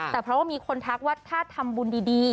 แต่เพราะว่ามีคนทักว่าถ้าทำบุญดี